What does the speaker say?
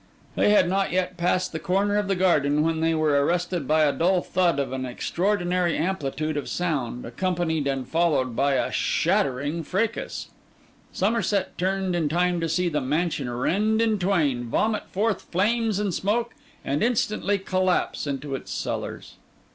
They had not yet passed the corner of the garden, when they were arrested by a dull thud of an extraordinary amplitude of sound, accompanied and followed by a shattering fracas. Somerset turned in time to see the mansion rend in twain, vomit forth flames and smoke, and instantly collapse into its cellars.